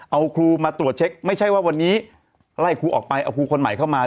เอาครูมาตรวจเช็คไม่ใช่ว่าวันนี้ไล่ครูออกไปเอาครูคนใหม่เข้ามา